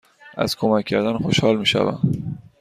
از کمک کردن خوشحال می شوم.